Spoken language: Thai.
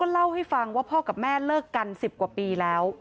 เล่าให้ฟังว่าพ่อกับแม่เลิกกัน๑๐กว่าปีแล้ว